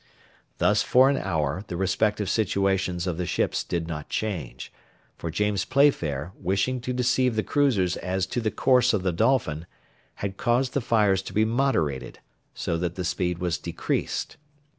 Thus for an hour the respective situations of the ships did not change, for James Playfair, wishing to deceive the cruisers as to the course of the Dolphin, had caused the fires to be moderated, so that the speed was decreased.